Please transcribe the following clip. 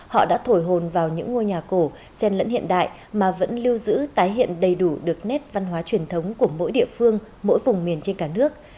họ đã thổi hồn vào những ngôi nhà cổ sen lẫn hiện đại mà vẫn lưu giữ tái hiện đầy đủ được nét văn hóa truyền thống của mỗi địa phương mỗi vùng miền trên cả nước